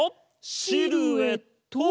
シルエット！